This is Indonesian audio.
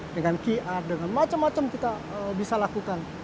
dengan qr dengan macem macem kita bisa lakukan